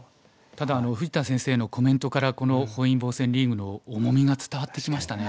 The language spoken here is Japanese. ただ富士田先生のコメントからこの本因坊戦リーグの重みが伝わってきましたね。